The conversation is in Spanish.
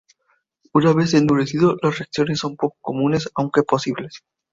Una vez endurecido, las reacciones son poco comunes aunque posibles.